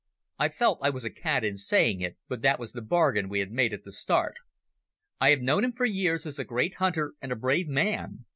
I felt I was a cad in saying it, but that was the bargain we had made at the start. "I have known him for years as a great hunter and a brave man.